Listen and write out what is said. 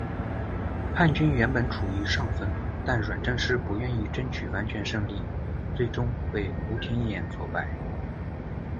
叛军原本处于上风，但阮正诗不愿意争取完全胜利，最终被吴廷琰挫败。